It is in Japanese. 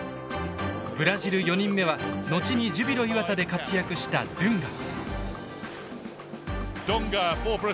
ブラジル４人目は後にジュビロ磐田で活躍したドゥンガ。